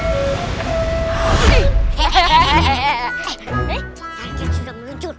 harga sudah muncul